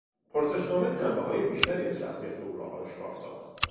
پرسشنامه جنبههای بیشتری از شخصیت او را آشکار ساخت.